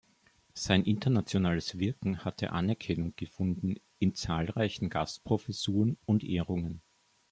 Sein internationales Wirken hatte Anerkennung gefunden in zahlreichen Gastprofessuren und Ehrungen.